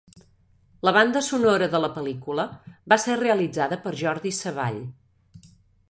La banda sonora de la pel·lícula va ser realitzada per Jordi Savall.